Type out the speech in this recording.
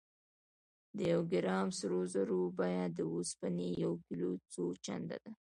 د یو ګرام سرو زرو بیه د اوسپنې د یو کیلو څو چنده ده.